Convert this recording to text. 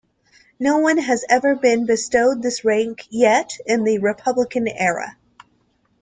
No one has ever been bestowed this rank yet in the republican era.